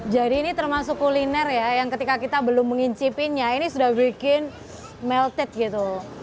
jadi ini termasuk kuliner ya yang ketika kita belum mengincipinnya ini sudah bikin melted gitu